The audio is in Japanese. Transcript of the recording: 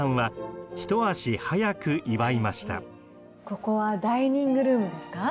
ここはダイニングルームですか？